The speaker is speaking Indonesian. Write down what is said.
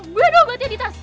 gue yang diobatin aditas